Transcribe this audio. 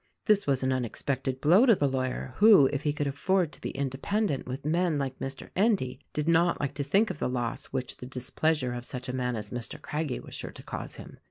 This was an unexpected blow to the lawyer, who, if he could afford to be independent with men like Mr. Endy, did not like to think of the loss which the displeasure of such a man as Mr. Craggie was sure to cause him.